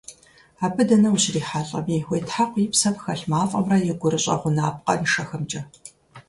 Абы дэнэ ущрихьэлӀэми, уетхьэкъу и псэм хэлъ мафӀэмрэ и гурыщӀэ гъунапкъэншэхэмкӀэ.